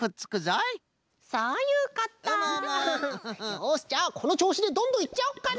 よしじゃあこのちょうしでどんどんいっちゃおうかな！